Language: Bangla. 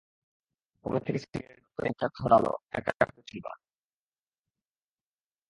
পকেট থেকে সিগারেট বের করে করে একটা ধরাল, একটা ফিরোজকে দিল।